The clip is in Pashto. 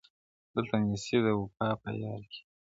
دلته نېستي ده وفا په یار کي-